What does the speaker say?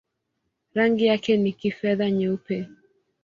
Rangi yake ni kifedha-nyeupe.